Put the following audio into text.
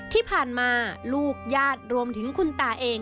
ที่ผ่านมาลูกญาติรวมถึงคุณตาเอง